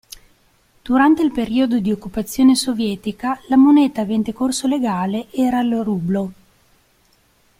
Durante il periodo di occupazione sovietica la moneta avente corso legale era il rublo.